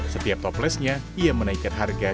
setiap toplesnya ia menaikkan harga rp dua